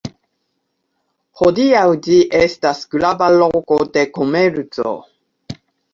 Hodiaŭ ĝi estas grava loko de komerco.